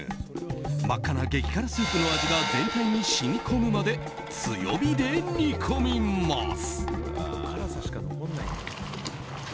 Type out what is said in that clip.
真っ赤な激辛スープの味が全体に染み込むまで強火で煮込みます。